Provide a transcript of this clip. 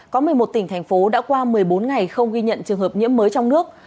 có một mươi một tỉnh thành phố đã qua một mươi bốn ngày không ghi nhận trường hợp nhiễm mới trong nước